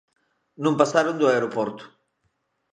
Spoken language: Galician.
Non pasaron do aeroporto.